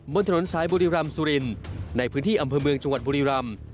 บนถนนสายบุรีรำสุรินในพื้นที่อำเภอเมืองจังหวัดบุรีรำ